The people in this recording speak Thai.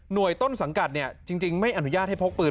โดยต้นสังกัดจริงไม่อนุญาตให้พกปืน